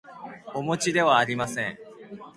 おもちではありません